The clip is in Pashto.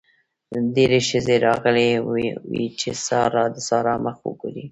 ډېرې ښځې راغلې وې چې د سارا مخ وګوري.